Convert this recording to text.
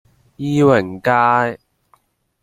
伊榮街